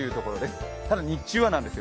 ただ日中はなんですよ。